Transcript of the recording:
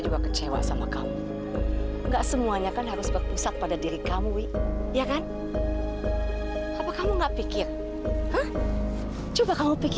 buat sekarang aku tidak bisa terima tawarannya nenek